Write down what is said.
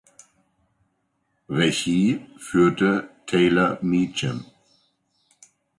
Regie führte Taylor Meacham.